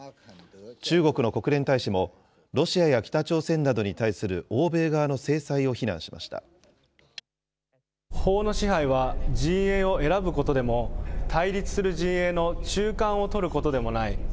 中国の国連大使も、ロシアや北朝鮮などに対する欧米側の制裁を非法の支配は、陣営を選ぶことでも、対立する陣営の中間を取ることでもない。